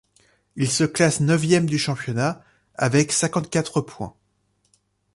Il se classe neuvième du championnat, avec cinquante-quatre points.